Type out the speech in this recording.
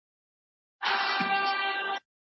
پرېږدمه دا لاره که تر مرګه باندي تلل ښه دي